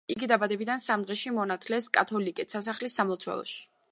იგი დაბადებიდან სამ დღეში მონათლეს კათოლიკედ, სასახლის სამლოცველოში.